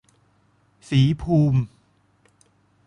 ศรีภูมิ